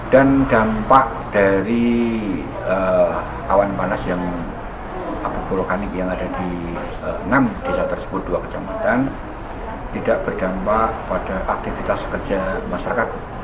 dan dampak dari awan panas yang ada di enam desa tersebut dua kecamatan tidak berdampak pada aktivitas kerja masyarakat